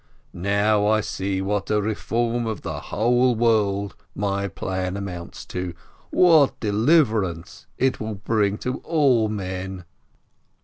Now I see what a reform of the whole world my plan amounts to, what deliverance it will bring to all men!"